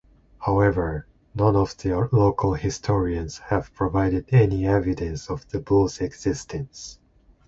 However, none of the local historians have provided any evidence of the Bull's existence.